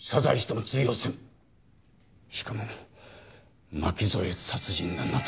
しかも巻き添え殺人だなどと。